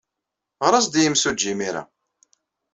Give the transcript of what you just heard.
Ɣer-as-d i yemsujji imir-a.